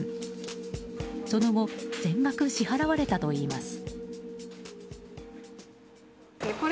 その後全額支払われたといいます。